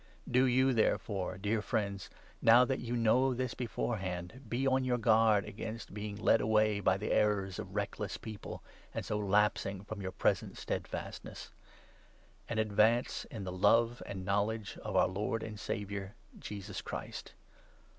Do you, therefore, dear friends, now that you 17 know this beforehand, be on your guard against being led away by the errors of reckless people, and so lapsing from your present stedfastness ; and advance in the love and 18 knowledge of our Lord and Saviour, Jesus Christ.